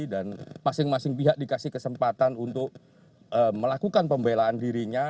dan masing masing pihak dikasih kesempatan untuk melakukan pembelaan dirinya